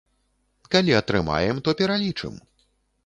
Калі атрымаем, то пералічым.